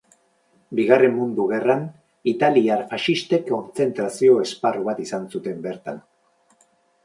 Bigarren Mundu gerran italiar faxistek kontzentrazio-esparru bat izan zuten bertan.